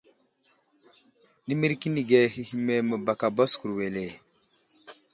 Ɗimirkinige hehme məbaka baskur wele.